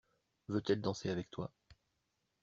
Veut-elle danser avec toi?